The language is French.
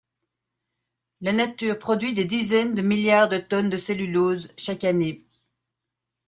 La nature produit des dizaines de milliards de tonnes de cellulose chaque année.